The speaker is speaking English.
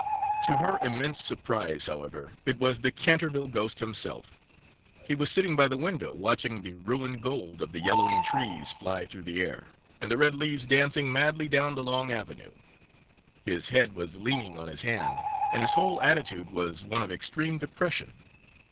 To her immense surprise, however, it was the Canterville Ghost himself! He was sitting by the window, watching the ruined gold of the yellowing trees fly through the air, and the red leaves dancing madly down the long avenue. His head was leaning on his hand, and his whole attitude was one of extreme depression.